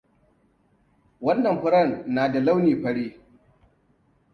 Wannan furen na da launi furen fure.